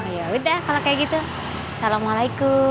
ya udah kalau kayak gitu assalamualaikum